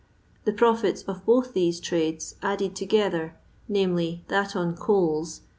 The profits of both these trades added together, namely, that on coals